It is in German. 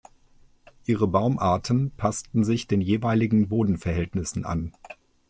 Ihre Baumarten passten sich den jeweiligen Bodenverhältnissen an.